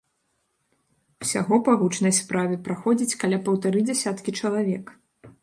Усяго па гучнай справе праходзіць каля паўтары дзясяткі чалавек.